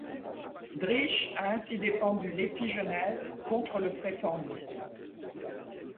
Driesch a ainsi défendu l'épigenèse contre le préformisme.